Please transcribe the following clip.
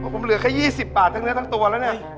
ผมเหลือแค่๒๐บาททั้งเนื้อทั้งตัวแล้วเนี่ย